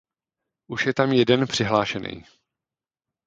Už je tam jeden přihlášenej.